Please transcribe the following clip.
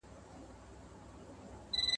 هر ژوندی موجود د خدای پیدا کړی دی.